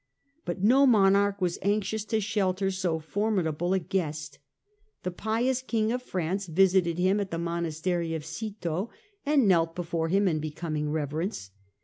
But no monarch was anxious to shelter so formidable a guest. The pious King of France visited him at the monastery of Citeaux and knelt before him in becoming reverence.